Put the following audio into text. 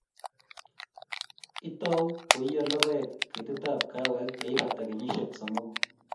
itou koiyo lokoek ketitab kaawek yeibata kenyisiek somoku